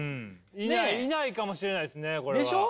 いないかもしれないですねこれは。でしょ？